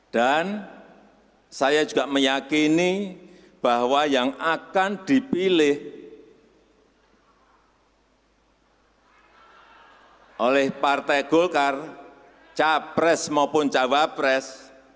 dan saya juga meyakini bahwa yang akan dipilih oleh partai golkar capres maupun cawapres